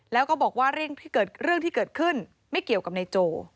แล้วก็บอกว่าเรื่องที่เกิดขึ้นไม่เกี่ยวกับนายโจ